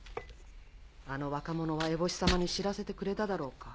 あの若者はエボシ様に知らせてくれただろうか？